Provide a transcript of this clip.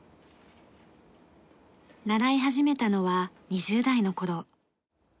習い始めたのは２０代の頃。